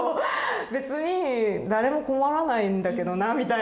別に誰も困らないんだけどなぁみたいな。